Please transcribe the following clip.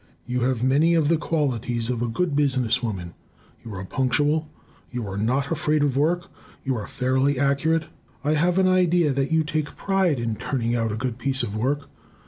You have many of the qualities of a good business woman; you are punctual, you are not afraid of work, you are fairly accurate. I have an idea that you take pride in turning out a good piece of work.